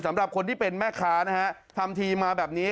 สำหรับคนที่เป็นแม่ค้านะฮะทำทีมาแบบนี้